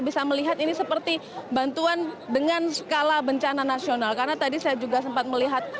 bisa melihat ini seperti bantuan dengan skala bencana nasional karena tadi saya juga sempat melihat